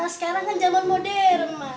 sekarang kan zaman modern